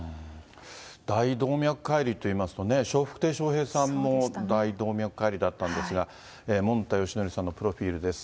大動脈解離といいますとね、笑福亭笑瓶さんも大動脈解離だったんですが、もんたよしのりさんのプロフィールです。